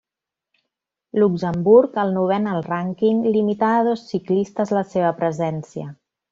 Luxemburg, el novè en el rànquing, limità a dos ciclistes la seva presència.